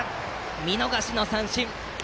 見逃し三振！